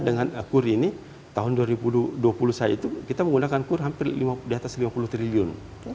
dengan kur ini tahun dua ribu dua puluh saya itu kita menggunakan kur hampir di atas lima puluh triliun